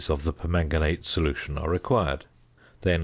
of the permanganate solution are required, then 49.